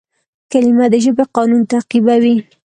کلیمه د ژبي قانون تعقیبوي.